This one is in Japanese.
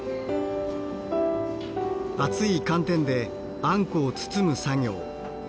熱い寒天であんこを包む作業。